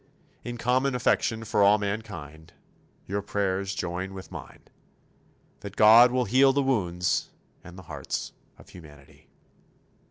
In common affection for all mankind, your prayers join with mine that God will heal the wounds and the hearts of humanity.